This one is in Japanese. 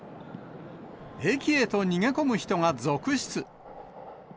駅へと逃げ込む人が続出。